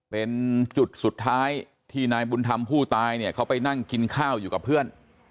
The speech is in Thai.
เป็นจุดสุดท้ายที่นายบุญธรรมผู้ตายเนี่ยเขาไปนั่งกินข้าวอยู่กับเพื่อน